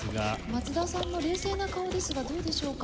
松田さんも冷静な顔ですがどうでしょうか？